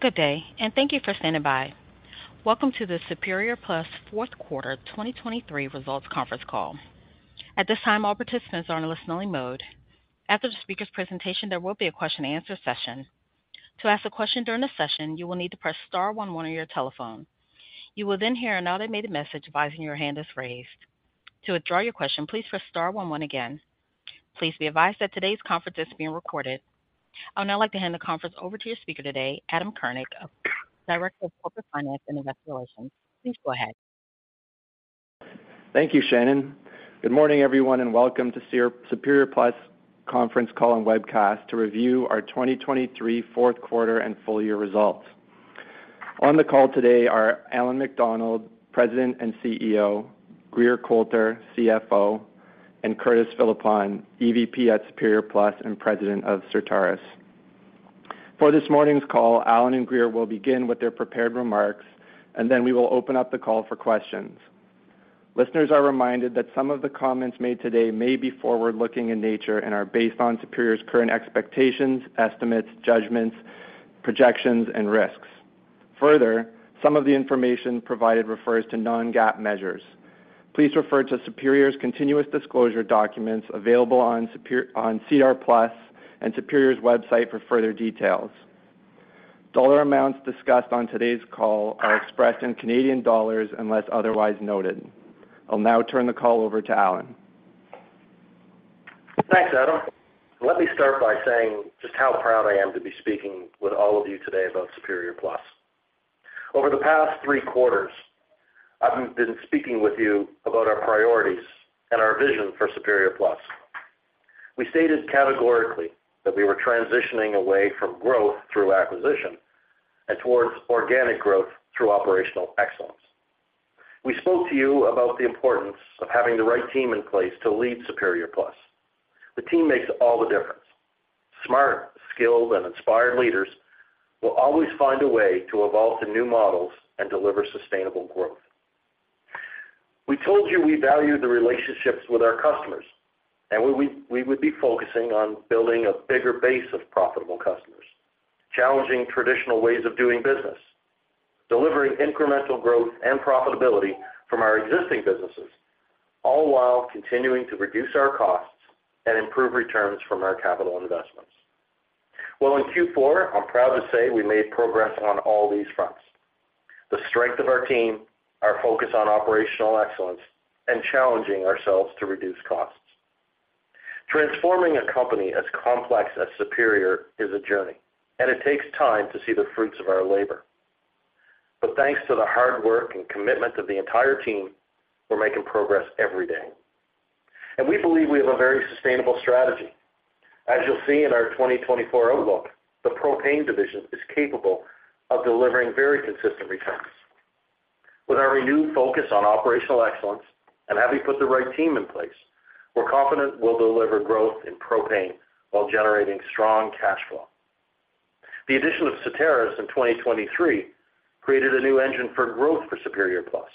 Good day, and thank you for standing by. Welcome to the Superior Plus fourth quarter 2023 results conference call. At this time, all participants are in listen-only mode. After the speaker's presentation, there will be a question-and-answer session. To ask a question during the session, you will need to press star one one on your telephone. You will then hear an automated message advising your hand is raised. To withdraw your question, please press star one one again. Please be advised that today's conference is being recorded. I would now like to hand the conference over to your speaker today, Adam Kurnik, Director of Corporate Finance and Investor Relations. Please go ahead. Thank you, Shannon. Good morning, everyone, and welcome to Superior Plus conference call and webcast to review our 2023 fourth quarter and full-year results. On the call today are Allan MacDonald, President and CEO; Grier Colter, CFO; and Curtis Philippon, EVP at Superior Plus and President of Certarus. For this morning's call, Allan and Grier will begin with their prepared remarks, and then we will open up the call for questions. Listeners are reminded that some of the comments made today may be forward-looking in nature and are based on Superior's current expectations, estimates, judgments, projections, and risks. Further, some of the information provided refers to non-GAAP measures. Please refer to Superior's continuous disclosure documents available on SEDAR+ and Superior's website for further details. Dollar amounts discussed on today's call are expressed in Canadian dollars unless otherwise noted. I'll now turn the call over to Allan. Thanks, Adam. Let me start by saying just how proud I am to be speaking with all of you today about Superior Plus. Over the past three quarters, I've been speaking with you about our priorities and our vision for Superior Plus. We stated categorically that we were transitioning away from growth through acquisition and towards organic growth through operational excellence. We spoke to you about the importance of having the right team in place to lead Superior Plus. The team makes all the difference. Smart, skilled, and inspired leaders will always find a way to evolve to new models and deliver sustainable growth. We told you we value the relationships with our customers, and we would be focusing on building a bigger base of profitable customers, challenging traditional ways of doing business, delivering incremental growth and profitability from our existing businesses, all while continuing to reduce our costs and improve returns from our capital investments. Well, in Q4, I'm proud to say we made progress on all these fronts: the strength of our team, our focus on operational excellence, and challenging ourselves to reduce costs. Transforming a company as complex as Superior is a journey, and it takes time to see the fruits of our labor. But thanks to the hard work and commitment of the entire team, we're making progress every day. And we believe we have a very sustainable strategy. As you'll see in our 2024 outlook, the propane division is capable of delivering very consistent returns. With our renewed focus on operational excellence and having put the right team in place, we're confident we'll deliver growth in propane while generating strong cash flow. The addition of Certarus in 2023 created a new engine for growth for Superior Plus,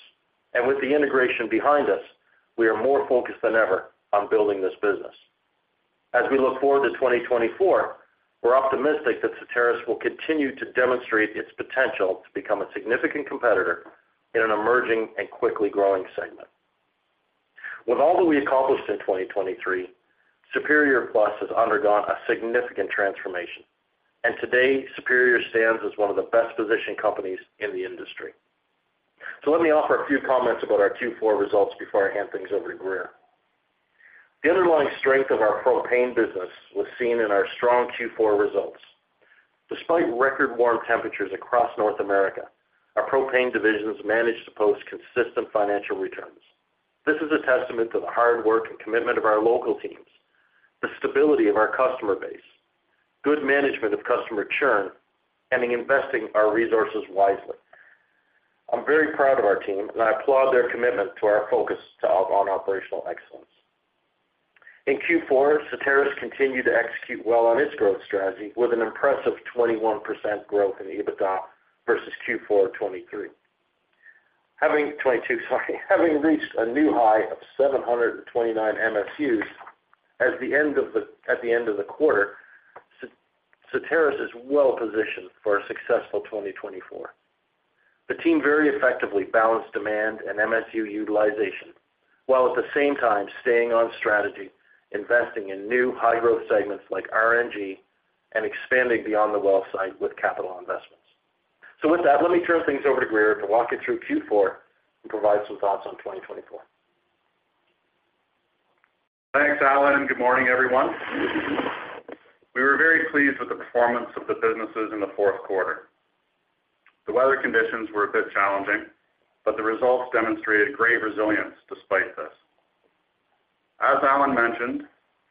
and with the integration behind us, we are more focused than ever on building this business. As we look forward to 2024, we're optimistic that Certarus will continue to demonstrate its potential to become a significant competitor in an emerging and quickly growing segment. With all that we accomplished in 2023, Superior Plus has undergone a significant transformation, and today Superior stands as one of the best-positioned companies in the industry. So let me offer a few comments about our Q4 results before I hand things over to Grier. The underlying strength of our propane business was seen in our strong Q4 results. Despite record-warm temperatures across North America, our propane divisions managed to post consistent financial returns. This is a testament to the hard work and commitment of our local teams, the stability of our customer base, good management of customer churn, and investing our resources wisely. I'm very proud of our team, and I applaud their commitment to our focus on operational excellence. In Q4, Certarus continued to execute well on its growth strategy with an impressive 21% growth in EBITDA versus Q4 of 2023. Having reached a new high of 729 MSUs at the end of the quarter, Certarus is well-positioned for a successful 2024. The team very effectively balanced demand and MSU utilization while at the same time staying on strategy, investing in new high-growth segments like RNG, and expanding beyond the well site with capital investments. With that, let me turn things over to Grier to walk you through Q4 and provide some thoughts on 2024. Thanks, Allan, and good morning, everyone. We were very pleased with the performance of the businesses in the fourth quarter. The weather conditions were a bit challenging, but the results demonstrated great resilience despite this. As Allan mentioned,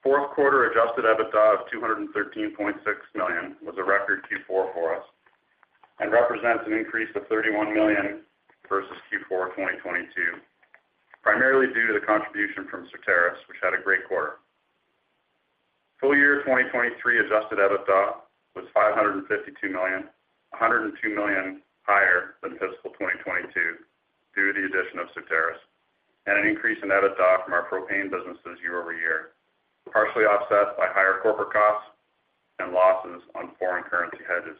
fourth quarter Adjusted EBITDA of 213.6 million was a record Q4 for us and represents an increase of 31 million versus Q4 of 2022, primarily due to the contribution from Certarus, which had a great quarter. Full-year 2023 adjusted EBITDA was 552 million, 102 million higher than fiscal 2022 due to the addition of Certarus and an increase in EBITDA from our propane businesses year-over-year, partially offset by higher corporate costs and losses on foreign currency hedges.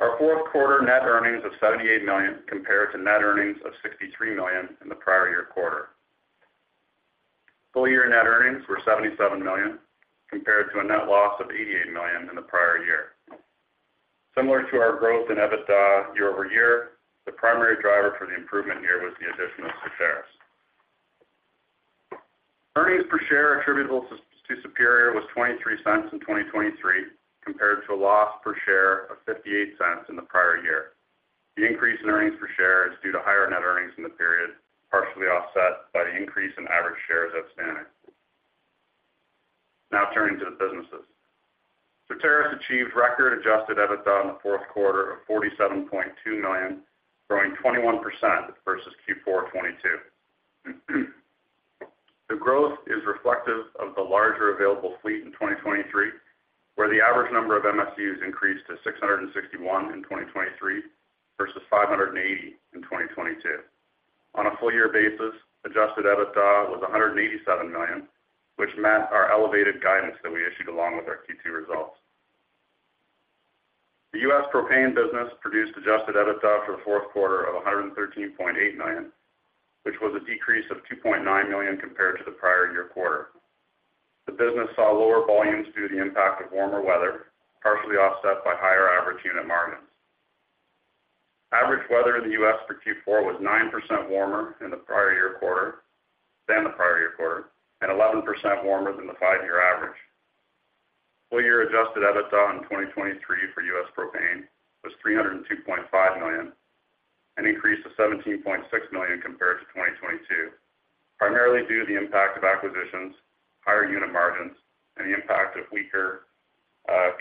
Our fourth quarter net earnings of 78 million compared to net earnings of 63 million in the prior year quarter. Full-year net earnings were $77 million compared to a net loss of $88 million in the prior year. Similar to our growth in EBITDA year-over-year, the primary driver for the improvement here was the addition of Certarus. Earnings per share attributable to Superior was $0.23 in 2023 compared to a loss per share of $0.58 in the prior year. The increase in earnings per share is due to higher net earnings in the period, partially offset by the increase in average shares outstanding. Now turning to the businesses. Certarus achieved record Adjusted EBITDA in the fourth quarter of $47.2 million, growing 21% versus Q4 of 2022. The growth is reflective of the larger available fleet in 2023, where the average number of MSUs increased to 661 in 2023 versus 580 in 2022. On a full-year basis, Adjusted EBITDA was $187 million, which met our elevated guidance that we issued along with our Q2 results. The U.S. propane business produced Adjusted EBITDA for the fourth quarter of $113.8 million, which was a decrease of $2.9 million compared to the prior year quarter. The business saw lower volumes due to the impact of warmer weather, partially offset by higher average unit margins. Average weather in the U.S. for Q4 was 9% warmer in the prior year quarter than the prior year quarter and 11% warmer than the five-year average. Full-year Adjusted EBITDA in 2023 for U.S. propane was $302.5 million and increased to $17.6 million compared to 2022, primarily due to the impact of acquisitions, higher unit margins, and the impact of weaker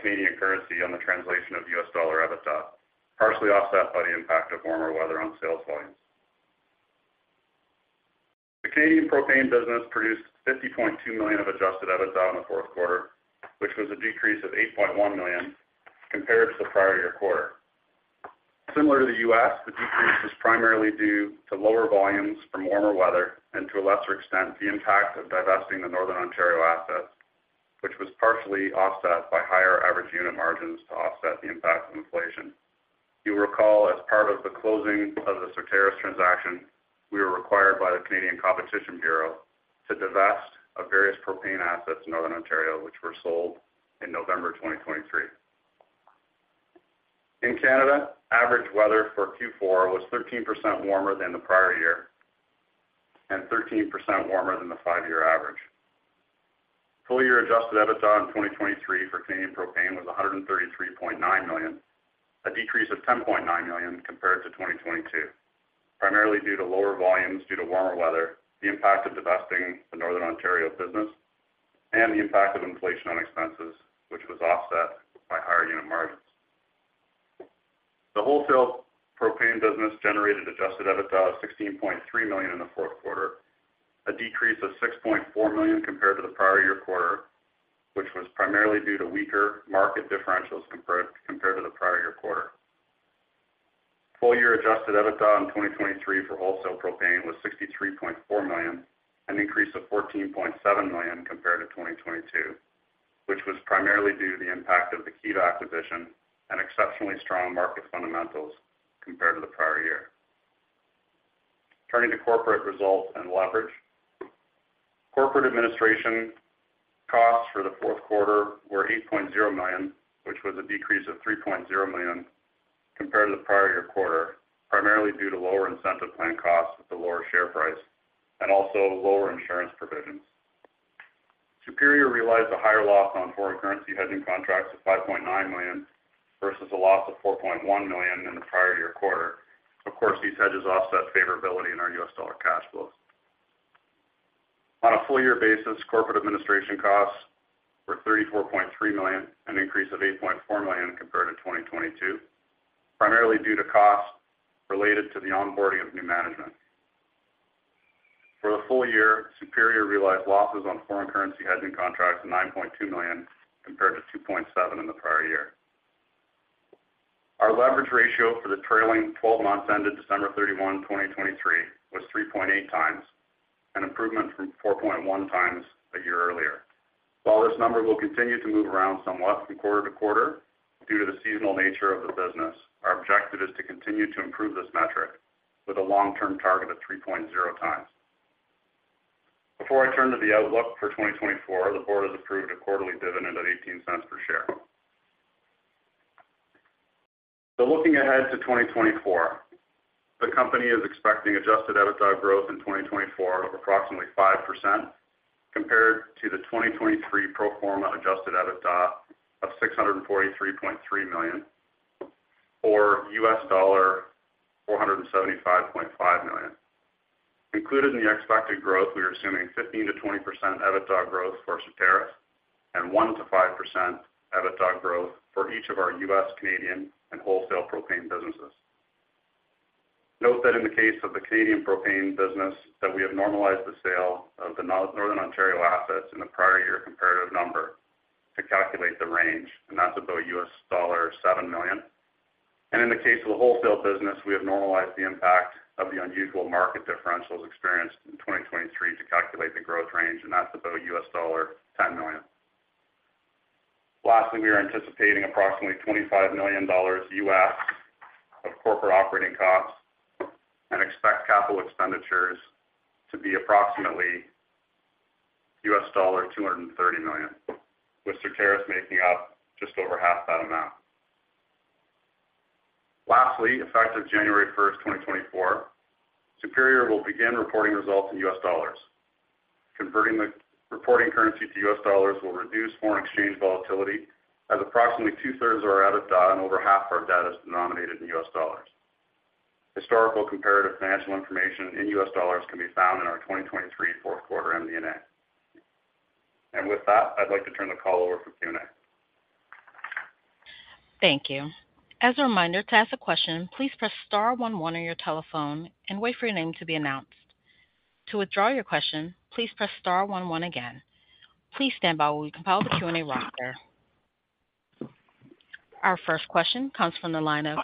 Canadian currency on the translation of U.S. dollar EBITDA, partially offset by the impact of warmer weather on sales volumes. The Canadian propane business produced 50.2 million of Adjusted EBITDA in the fourth quarter, which was a decrease of 8.1 million compared to the prior year quarter. Similar to the U.S., the decrease was primarily due to lower volumes from warmer weather and, to a lesser extent, the impact of divesting the Northern Ontario assets, which was partially offset by higher average unit margins to offset the impact of inflation. You will recall, as part of the closing of the Certarus transaction, we were required by the Canadian Competition Bureau to divest of various propane assets in Northern Ontario, which were sold in November 2023. In Canada, average weather for Q4 was 13% warmer than the prior year and 13% warmer than the five-year average. Full-year Adjusted EBITDA in 2023 for Canadian propane was $133.9 million, a decrease of $10.9 million compared to 2022, primarily due to lower volumes due to warmer weather, the impact of divesting the Northern Ontario business, and the impact of inflation on expenses, which was offset by higher unit margins. The wholesale propane business generated Adjusted EBITDA of $16.3 million in the fourth quarter, a decrease of $6.4 million compared to the prior year quarter, which was primarily due to weaker market differentials compared to the prior year quarter. Full-year Adjusted EBITDA in 2023 for wholesale propane was $63.4 million, an increase of $14.7 million compared to 2022, which was primarily due to the impact of the Kinetrex acquisition and exceptionally strong market fundamentals compared to the prior year. Turning to corporate results and leverage. Corporate administration costs for the fourth quarter were 8.0 million, which was a decrease of 3.0 million compared to the prior year quarter, primarily due to lower incentive plan costs at the lower share price and also lower insurance provisions. Superior realized a higher loss on foreign currency hedging contracts of 5.9 million versus a loss of 4.1 million in the prior year quarter. Of course, these hedges offset favorability in our U.S. dollar cash flows. On a full-year basis, corporate administration costs were 34.3 million, an increase of 8.4 million compared to 2022, primarily due to costs related to the onboarding of new management. For the full year, Superior realized losses on foreign currency hedging contracts of 9.2 million compared to 2.7 million in the prior year. Our leverage ratio for the trailing 12 months ended December 31, 2023, was 3.8x, an improvement from 4.1x a year earlier. While this number will continue to move around somewhat from quarter to quarter due to the seasonal nature of the business, our objective is to continue to improve this metric with a long-term target of 3.0 times. Before I turn to the outlook for 2024, the board has approved a quarterly dividend at $0.18 per share. So looking ahead to 2024, the company is expecting Adjusted EBITDA growth in 2024 of approximately 5% compared to the 2023 pro forma Adjusted EBITDA of CAD 643.3 million or $475.5 million. Included in the expected growth, we are assuming 15%-20% EBITDA growth for Certarus and 1%-5% EBITDA growth for each of our U.S., Canadian, and wholesale propane businesses. Note that in the case of the Canadian propane business, that we have normalized the sale of the Northern Ontario assets in the prior year comparative number to calculate the range, and that's about $7 million. And in the case of the wholesale business, we have normalized the impact of the unusual market differentials experienced in 2023 to calculate the growth range, and that's about $10 million. Lastly, we are anticipating approximately $25 million of corporate operating costs and expect capital expenditures to be approximately $230 million, with Certarus making up just over half that amount. Lastly, effective January 1st, 2024, Superior will begin reporting results in US dollars. Converting the reporting currency to US dollars will reduce foreign exchange volatility as approximately two-thirds of our EBITDA and over half of our debt is denominated in US dollars. Historical comparative financial information in U.S. dollars can be found in our 2023 fourth quarter MD&A. With that, I'd like to turn the call over for Q&A. Thank you. As a reminder, to ask a question, please press star one one on your telephone and wait for your name to be announced. To withdraw your question, please press star one one again. Please stand by while we compile the Q&A roster. Our first question comes from the line of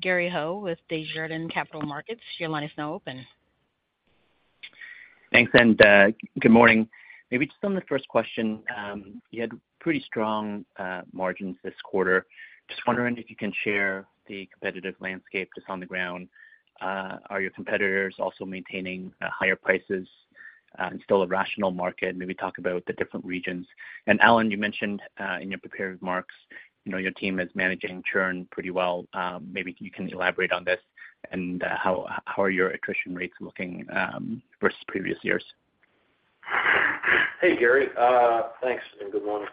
Gary Ho with Desjardins Capital Markets. Your line is now open. Thanks, and good morning. Maybe just on the first question, you had pretty strong margins this quarter. Just wondering if you can share the competitive landscape just on the ground. Are your competitors also maintaining higher prices and still a rational market? Maybe talk about the different regions. And Allan, you mentioned in your prepared remarks your team is managing churn pretty well. Maybe you can elaborate on this and how are your attrition rates looking versus previous years? Hey, Gary. Thanks and good morning.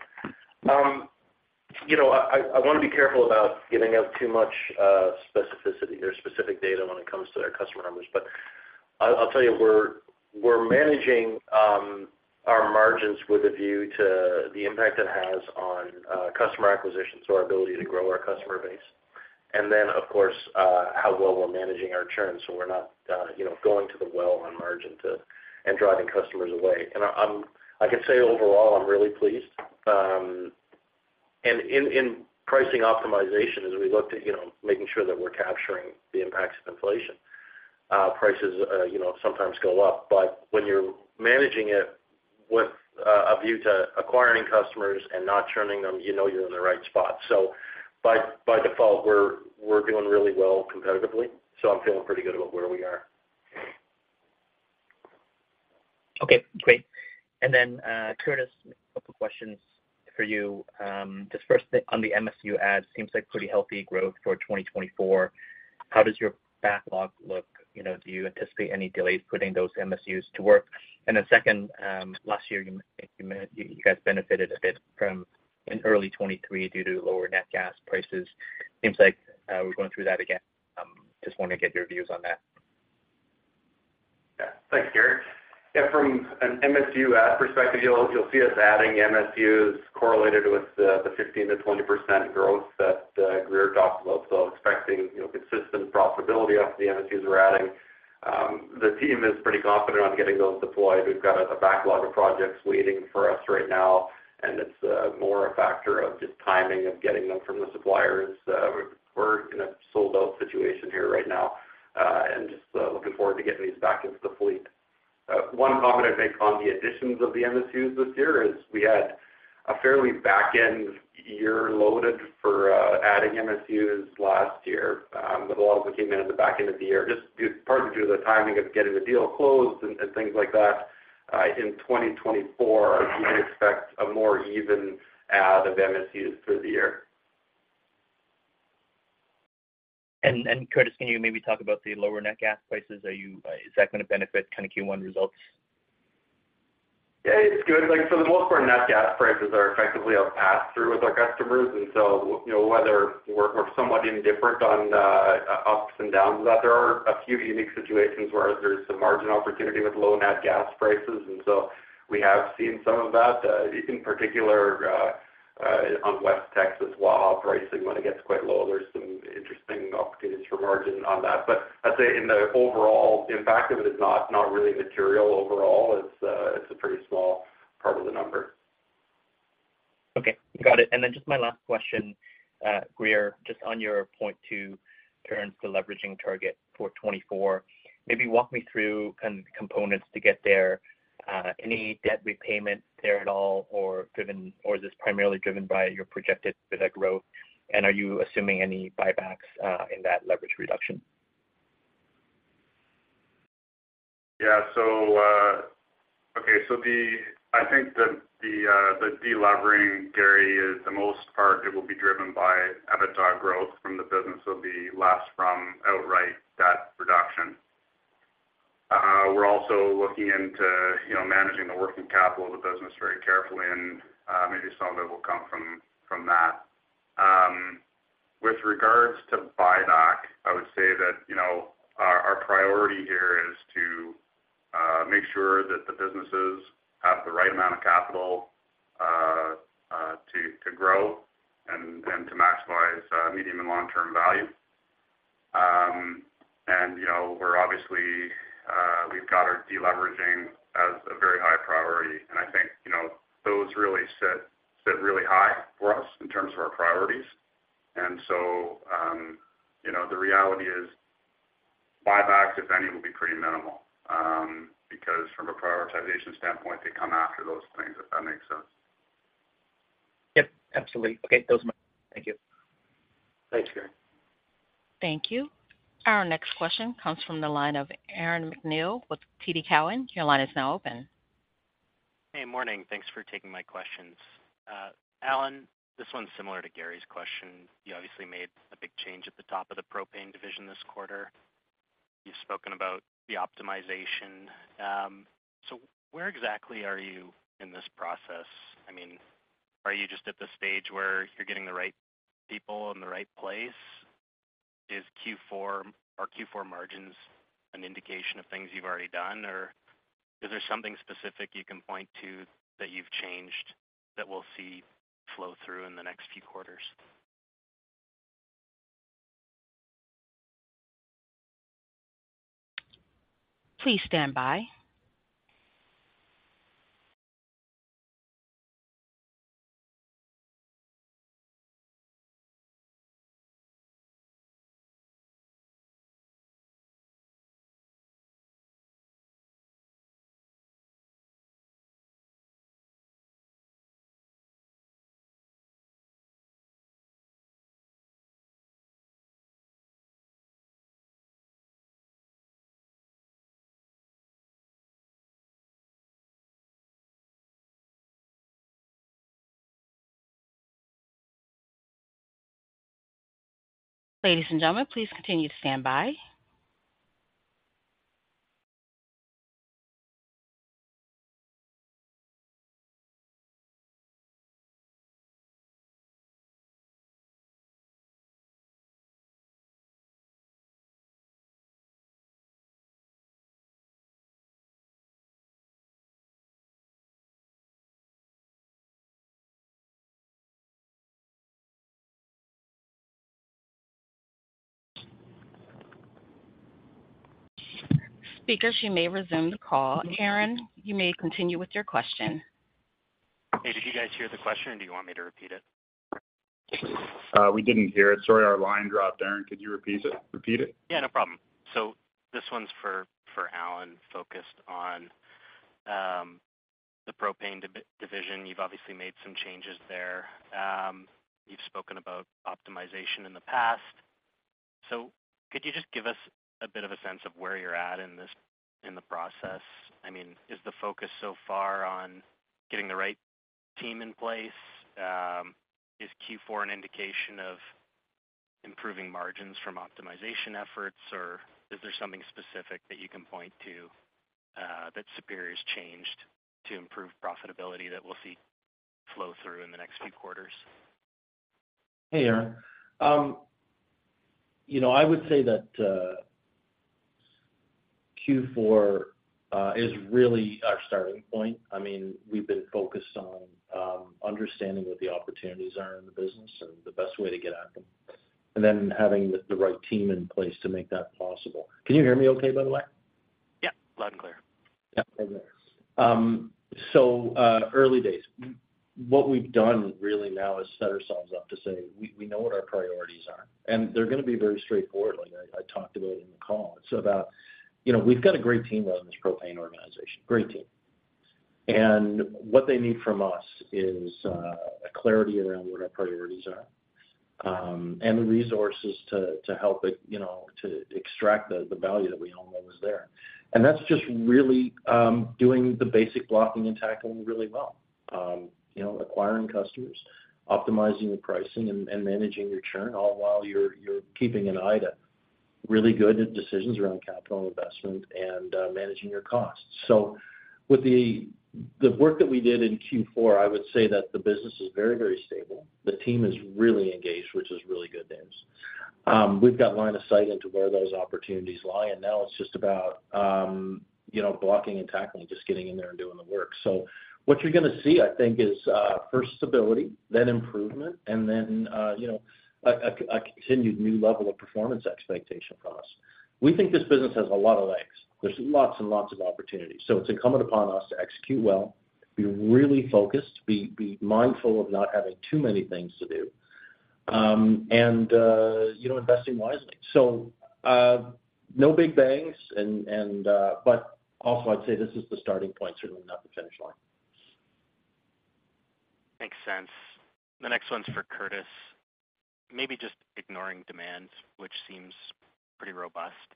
I want to be careful about giving out too much specificity or specific data when it comes to our customer numbers. But I'll tell you, we're managing our margins with a view to the impact it has on customer acquisition, so our ability to grow our customer base, and then, of course, how well we're managing our churn, so we're not going to the well on margin and driving customers away. I can say overall, I'm really pleased. In pricing optimization, as we look to making sure that we're capturing the impacts of inflation, prices sometimes go up. But when you're managing it with a view to acquiring customers and not churning them, you know you're in the right spot. By default, we're doing really well competitively, so I'm feeling pretty good about where we are. Okay, great. Then Curtis, a couple of questions for you. Just first, on the MSU adds, it seems like pretty healthy growth for 2024. How does your backlog look? Do you anticipate any delays putting those MSUs to work? And then second, last year, you guys benefited a bit from in early 2023 due to lower nat gas prices. Seems like we're going through that again. Just want to get your views on that? Yeah, thanks, Gary. Yeah, from an MSU add perspective, you'll see us adding MSUs correlated with the 15%-20% growth that Grier talked about. So expecting consistent profitability off the MSUs we're adding. The team is pretty confident on getting those deployed. We've got a backlog of projects waiting for us right now, and it's more a factor of just timing of getting them from the suppliers. We're in a sold-out situation here right now and just looking forward to getting these back into the fleet. One comment I'd make on the additions of the MSUs this year is we had a fairly back-end-loaded year for adding MSUs last year, but a lot of them came in at the back end of the year, just partly due to the timing of getting the deal closed and things like that. In 2024, you can expect a more even add of MSUs through the year. Curtis, can you maybe talk about the lower nat gas prices? Is that going to benefit kind of Q1 results? Yeah, it's good. For the most part, nat gas prices are effectively a pass-through with our customers. And so whether we're somewhat indifferent on ups and downs, there are a few unique situations where there's some margin opportunity with low nat gas prices. And so we have seen some of that, in particular on West Texas Waha pricing. When it gets quite low, there's some interesting opportunities for margin on that. But I'd say in the overall, the impact of it is not really material overall. It's a pretty small part of the number. Okay, got it. Just my last question, Grier, just on your point on turns to leverage target for 2024, maybe walk me through kind of the components to get there. Any debt repayment there at all, or is this primarily driven by your projected growth? And are you assuming any buybacks in that leverage reduction? Yeah, okay. So I think the deleveraging, Gary, is the most part it will be driven by EBITDA growth from the business. So it'll be less from outright debt reduction. We're also looking into managing the working capital of the business very carefully, and maybe some of it will come from that. With regards to buyback, I would say that our priority here is to make sure that the businesses have the right amount of capital to grow and to maximize medium- and long-term value. And obviously, we've got our deleveraging as a very high priority. And I think those really sit really high for us in terms of our priorities. And so the reality is buybacks, if any, will be pretty minimal because from a prioritization standpoint, they come after those things, if that makes sense. Yep, absolutely. Okay, those are my thank you. Thanks, Gary. Thank you. Our next question comes from the line of Aaron MacNeil with TD Cowen. Your line is now open. Hey, morning. Thanks for taking my questions. Allan, this one's similar to Gary's question. You obviously made a big change at the top of the propane division this quarter. You've spoken about the optimization. So where exactly are you in this process? I mean, are you just at the stage where you're getting the right people in the right place? Are Q4 margins an indication of things you've already done, or is there something specific you can point to that you've changed that we'll see flow through in the next few quarters? Please stand by. Ladies and gentlemen, please continue to stand by. Speakers, you may resume the call. Aaron, you may continue with your question. Hey, did you guys hear the question, or do you want me to repeat it? We didn't hear it. Sorry, our line dropped. Aaron, could you repeat it? Yeah, no problem. So this one's for Allan focused on the propane division. You've obviously made some changes there. You've spoken about optimization in the past. So could you just give us a bit of a sense of where you're at in the process? I mean, is the focus so far on getting the right team in place? Is Q4 an indication of improving margins from optimization efforts, or is there something specific that you can point to that Superior's changed to improve profitability that we'll see flow through in the next few quarters? Hey, Aaron. I would say that Q4 is really our starting point. I mean, we've been focused on understanding what the opportunities are in the business and the best way to get at them, and then having the right team in place to make that possible. Can you hear me okay, by the way? Yep, loud and clear. Yep, heard that. So early days, what we've done really now is set ourselves up to say we know what our priorities are. And they're going to be very straightforward. I talked about it in the call. It's about we've got a great team running this propane organization, great team. And what they need from us is a clarity around what our priorities are and the resources to help it to extract the value that we all know is there. And that's just really doing the basic blocking and tackling really well, acquiring customers, optimizing your pricing, and managing your churn all while you're keeping an eye to really good decisions around capital investment and managing your costs. So with the work that we did in Q4, I would say that the business is very, very stable. The team is really engaged, which is really good news. We've got line of sight into where those opportunities lie. And now it's just about blocking and tackling, just getting in there and doing the work. So what you're going to see, I think, is first stability, then improvement, and then a continued new level of performance expectation from us. We think this business has a lot of legs. There's lots and lots of opportunities. So it's incumbent upon us to execute well, be really focused, be mindful of not having too many things to do, and investing wisely. So no big bangs. But also, I'd say this is the starting point, certainly not the finish line. Makes sense. The next one's for Curtis. Maybe just ignoring demand, which seems pretty robust.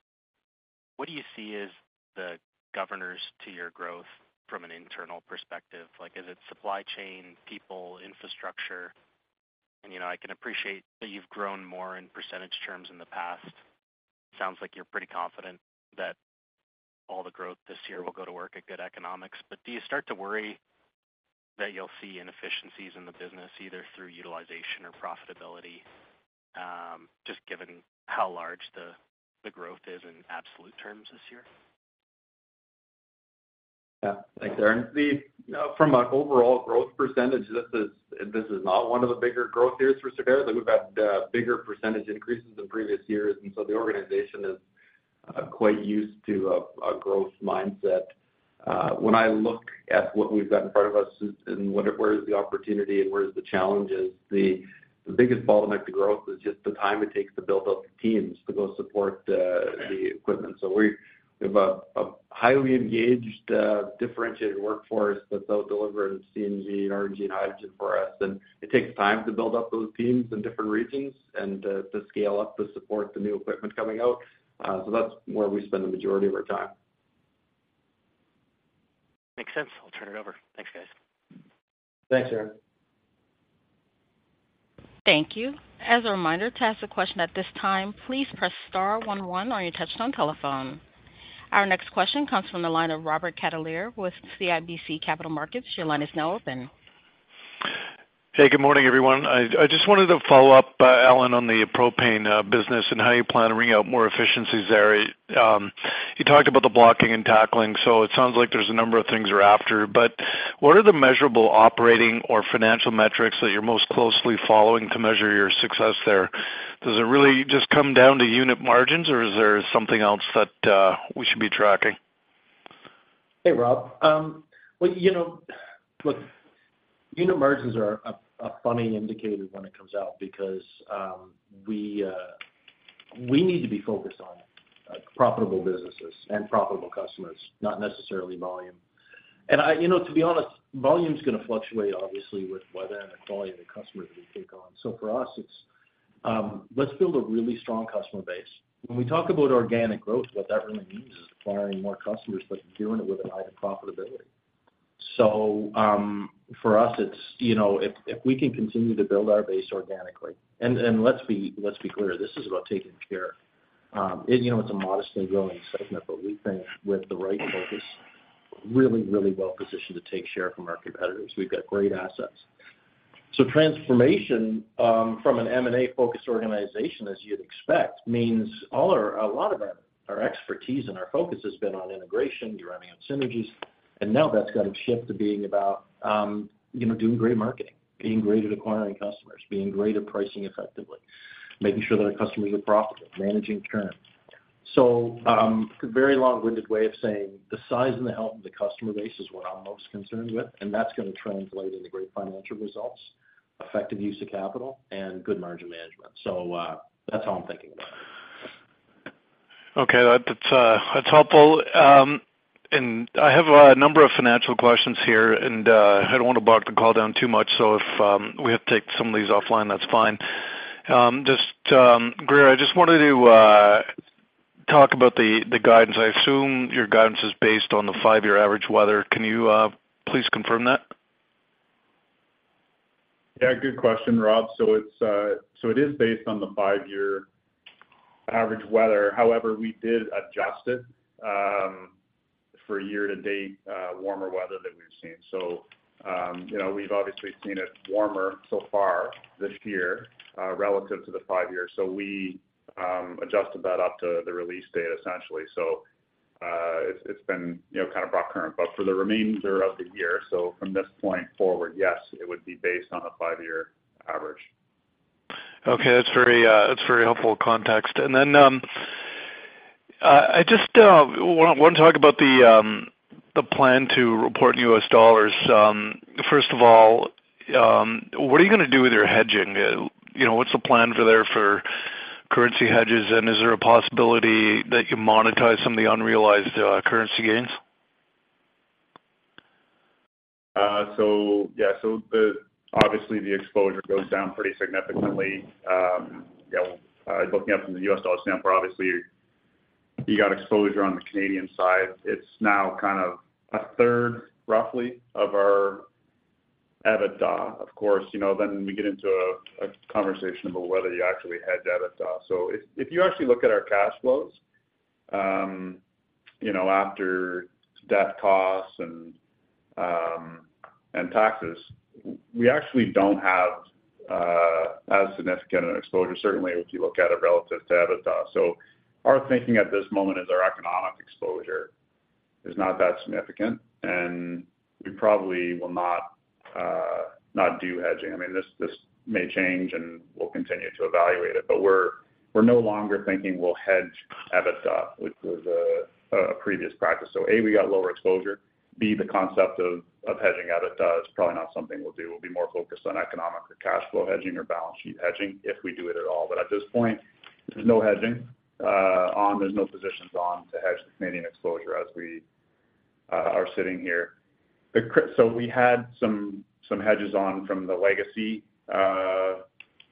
What do you see as the governors to your growth from an internal perspective? Is it supply chain, people, infrastructure? And I can appreciate that you've grown more in percentage terms in the past. Sounds like you're pretty confident that all the growth this year will go to work at good economics. But do you start to worry that you'll see inefficiencies in the business either through utilization or profitability, just given how large the growth is in absolute terms this year? Yeah, thanks, Aaron. From an overall growth percentage, this is not one of the bigger growth years for Superior. We've had bigger percentage increases than previous years. And so the organization is quite used to a growth mindset. When I look at what we've got in front of us and where is the opportunity and where is the challenge, the biggest bottleneck to growth is just the time it takes to build up the teams to go support the equipment. So we have a highly engaged, differentiated workforce that's out delivering CNG, RNG, and hydrogen for us. And it takes time to build up those teams in different regions and to scale up to support the new equipment coming out. So that's where we spend the majority of our time. Makes sense. I'll turn it over. Thanks, guys. Thanks, Aaron. Thank you. As a reminder, to ask the question at this time, please press star one one on your touch-tone telephone. Our next question comes from the line of Robert Catellier with CIBC Capital Markets. Your line is now open. Hey, good morning, everyone. I just wanted to follow up, Allan, on the propane business and how you plan to ring out more efficiencies, Gary. You talked about the blocking and tackling, so it sounds like there's a number of things you're after. But what are the measurable operating or financial metrics that you're most closely following to measure your success there? Does it really just come down to unit margins, or is there something else that we should be tracking? Hey, Rob. Look, unit margins are a funny indicator when it comes out because we need to be focused on profitable businesses and profitable customers, not necessarily volume. And to be honest, volume's going to fluctuate, obviously, with weather and the quality of the customers that we take on. So for us, let's build a really strong customer base. When we talk about organic growth, what that really means is acquiring more customers, but doing it with an eye to profitability. So for us, it's if we can continue to build our base organically. And let's be clear, this is about taking care. It's a modestly growing segment, but we think with the right focus, we're really, really well positioned to take share from our competitors. We've got great assets. Transformation from an M&A focused organization, as you'd expect, means a lot of our expertise and our focus has been on integration, deriving out synergies. Now that's got to shift to being about doing great marketing, being great at acquiring customers, being great at pricing effectively, making sure that our customers are profitable, managing churn. It's a very long-winded way of saying the size and the health of the customer base is what I'm most concerned with. That's going to translate into great financial results, effective use of capital, and good margin management. That's how I'm thinking about it. Okay, that's helpful. I have a number of financial questions here. I don't want to block the call down too much. If we have to take some of these offline, that's fine. Grier, I just wanted to talk about the guidance. I assume your guidance is based on the five-year average weather. Can you please confirm that? Yeah, good question, Rob. So it is based on the five-year average weather. However, we did adjust it for year-to-date warmer weather that we've seen. So we've obviously seen it warmer so far this year relative to the five-year. So we adjusted that up to the release date, essentially. So it's been kind of broad current. But for the remainder of the year, so from this point forward, yes, it would be based on a five-year average. Okay, that's very helpful context. Then I just want to talk about the plan to report in U.S. dollars. First of all, what are you going to do with your hedging? What's the plan there for currency hedges? And is there a possibility that you monetize some of the unrealized currency gains? So yeah, so obviously, the exposure goes down pretty significantly. Looking at it from the U.S. dollar standpoint, obviously, you got exposure on the Canadian side. It's now kind of a third, roughly, of our EBITDA. Of course, then we get into a conversation about whether you actually hedge EBITDA. So if you actually look at our cash flows after debt costs and taxes, we actually don't have as significant an exposure, certainly, if you look at it relative to EBITDA. So our thinking at this moment is our economic exposure is not that significant. And we probably will not do hedging. I mean, this may change, and we'll continue to evaluate it. But we're no longer thinking we'll hedge EBITDA, which was a previous practice. So A, we got lower exposure. B, the concept of hedging EBITDA is probably not something we'll do. We'll be more focused on economic or cash flow hedging or balance sheet hedging if we do it at all. But at this point, there's no hedging on. There's no positions on to hedge the Canadian exposure as we are sitting here. So we had some hedges on from the legacy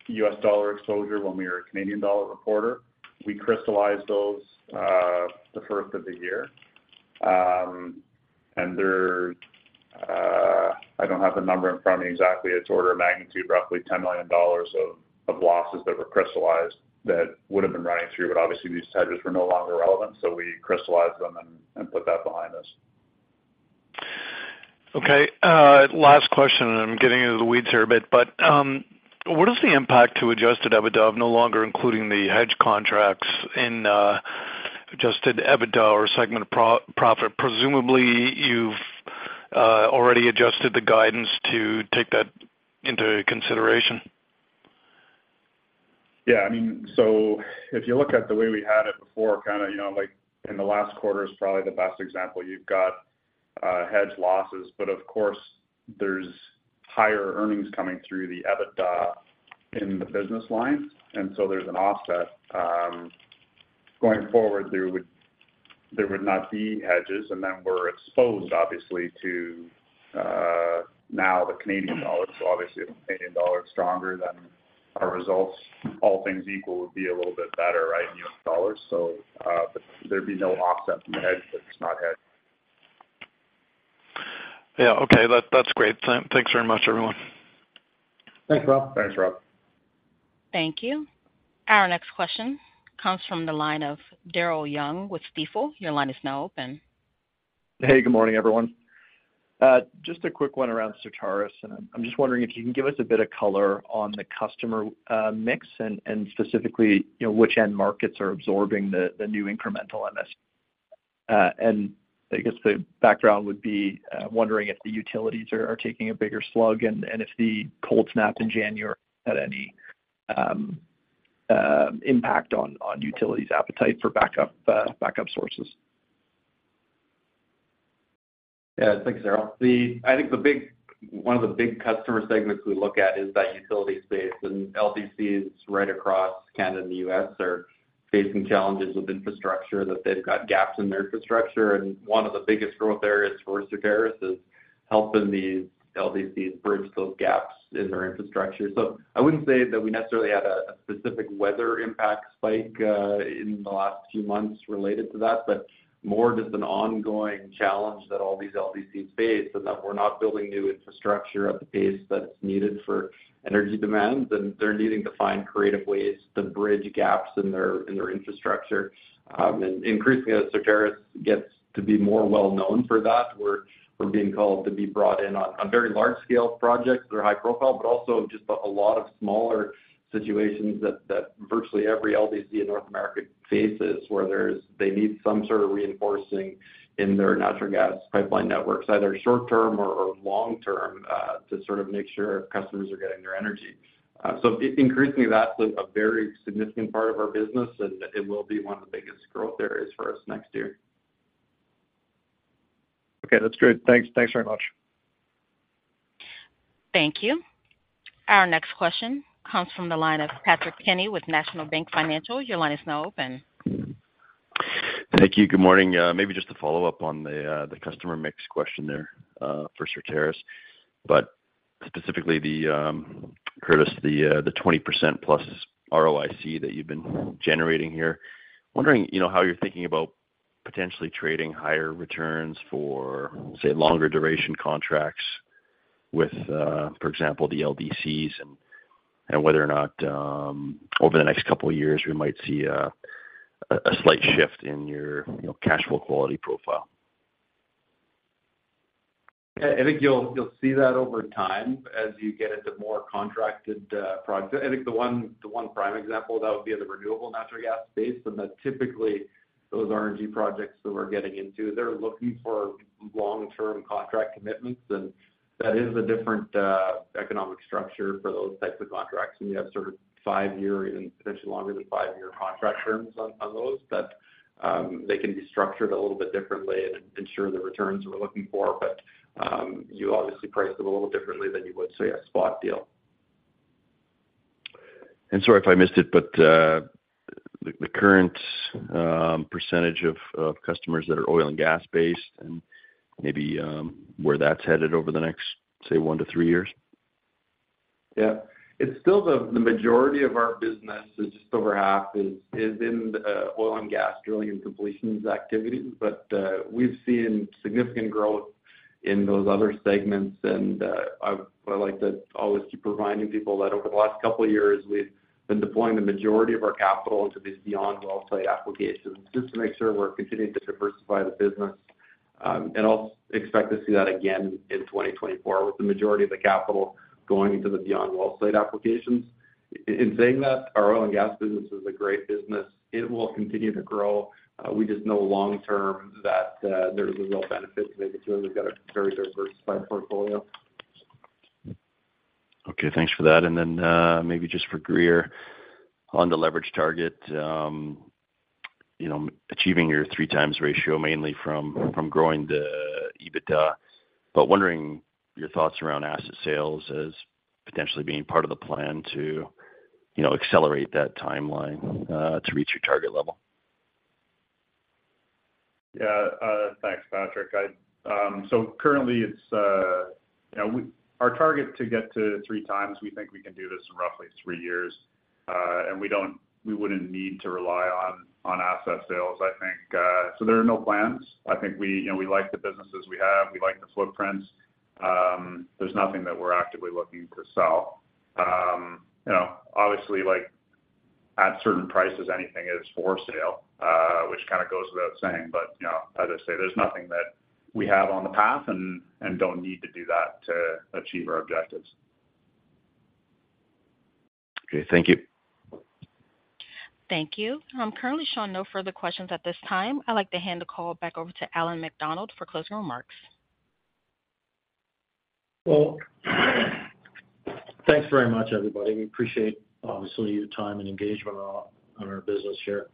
US dollar exposure when we were a Canadian dollar reporter. We crystallized those the first of the year. And I don't have the number in front of me exactly. It's order of magnitude, roughly $10 million of losses that were crystallized that would have been running through. But obviously, these hedges were no longer relevant. So we crystallized them and put that behind us. Okay, last question. And I'm getting into the weeds here a bit. But what is the impact to Adjusted EBITDA, no longer including the hedge contracts, in Adjusted EBITDA or segment of profit? Presumably, you've already adjusted the guidance to take that into consideration. Yeah, I mean, so if you look at the way we had it before, kind of in the last quarter is probably the best example. You've got hedged losses. But of course, there's higher earnings coming through the EBITDA in the business line. And so there's an offset. Going forward, there would not be hedges. And then we're exposed, obviously, to now the Canadian dollar. So obviously, if the Canadian dollar is stronger than our results, all things equal, would be a little bit better, right, in U.S. dollars. So there'd be no offset from the hedge, but it's not hedged. Yeah, okay, that's great. Thanks very much, everyone. Thanks, Rob. Thanks, Rob. Thank you. Our next question comes from the line of Daryl Young with Stifel. Your line is now open. Hey, good morning, everyone. Just a quick one around Certarus. I'm just wondering if you can give us a bit of color on the customer mix and specifically which end markets are absorbing the new incremental MSUs. I guess the background would be wondering if the utilities are taking a bigger slug and if the cold snap in January had any impact on utilities' appetite for backup sources. Yeah, thanks, Daryl. I think one of the big customer segments we look at is that utility space. And LDCs right across Canada and the US are facing challenges with infrastructure that they've got gaps in their infrastructure. And one of the biggest growth areas for Certarus is helping these LDCs bridge those gaps in their infrastructure. So I wouldn't say that we necessarily had a specific weather impact spike in the last few months related to that, but more just an ongoing challenge that all these LDCs face and that we're not building new infrastructure at the pace that it's needed for energy demands. And they're needing to find creative ways to bridge gaps in their infrastructure. And increasingly, Certarus gets to be more well-known for that. We're being called to be brought in on very large-scale projects that are high-profile, but also just a lot of smaller situations that virtually every LDC in North America faces, where they need some sort of reinforcing in their natural gas pipeline networks, either short-term or long-term, to sort of make sure customers are getting their energy. So increasingly, that's a very significant part of our business. And it will be one of the biggest growth areas for us next year. Okay, that's great. Thanks very much. Thank you. Our next question comes from the line of Patrick Kenny with National Bank Financial. Your line is now open. Thank you. Good morning. Maybe just a follow-up on the customer mix question there for Certarus. But specifically, Curtis, the 20%+ ROIC that you've been generating here, wondering how you're thinking about potentially trading higher returns for, say, longer-duration contracts with, for example, the LDCs and whether or not, over the next couple of years, we might see a slight shift in your cash flow quality profile. Yeah, I think you'll see that over time as you get into more contracted products. I think the one prime example, that would be the renewable natural gas space. And that typically, those RNG projects that we're getting into, they're looking for long-term contract commitments. And that is a different economic structure for those types of contracts. And you have sort of five-year or even potentially longer than five-year contract terms on those that they can be structured a little bit differently and ensure the returns that we're looking for. But you obviously price them a little differently than you would, say, a spot deal. Sorry if I missed it, but the current percentage of customers that are oil and gas-based and maybe where that's headed over the next, say, one to three years? Yeah, it's still the majority of our business. Just over half is in oil and gas drilling and completions activities. But we've seen significant growth in those other segments. I like to always keep reminding people that over the last couple of years, we've been deploying the majority of our capital into these beyond wellsite applications just to make sure we're continuing to diversify the business. I'll expect to see that again in 2024 with the majority of the capital going into the beyond wellsite applications. In saying that, our oil and gas business is a great business. It will continue to grow. We just know long-term that there's a real benefit to making sure we've got a very diversified portfolio. Okay, thanks for that. And then maybe just for Grier, on the leverage target, achieving your 3x ratio, mainly from growing the EBITDA. But wondering your thoughts around asset sales as potentially being part of the plan to accelerate that timeline to reach your target level. Yeah, thanks, Patrick. So currently, our target to get to 3x, we think we can do this in roughly three years. And we wouldn't need to rely on asset sales, I think. So there are no plans. I think we like the businesses we have. We like the footprints. There's nothing that we're actively looking to sell. Obviously, at certain prices, anything is for sale, which kind of goes without saying. But as I say, there's nothing that we have on the path and don't need to do that to achieve our objectives. Okay, thank you. Thank you. Currently, showing, no further questions at this time. I'd like to hand the call back over to Allan MacDonald for closing remarks. Well, thanks very much, everybody. We appreciate, obviously, your time and engagement on our business here.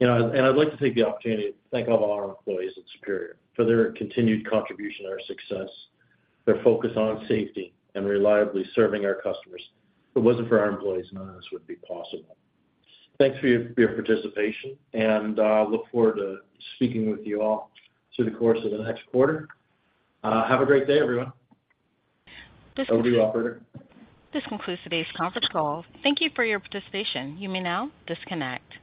And I'd like to take the opportunity to thank all of our employees at Superior for their continued contribution to our success, their focus on safety, and reliably serving our customers. If it wasn't for our employees, none of this would be possible. Thanks for your participation. And I look forward to speaking with you all through the course of the next quarter. Have a great day, everyone. This concludes today's conference call. Thank you for your participation. You may now disconnect.